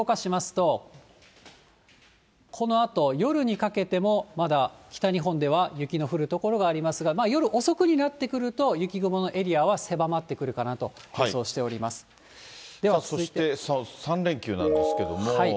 動かしますと、このあと夜にかけても、まだ北日本では雪の降る所がありますが、夜遅くになってくると雪雲のエリアは狭まってくるかなと予想してそして３連休なんですけども。